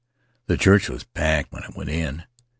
The church w&s packed when I went in.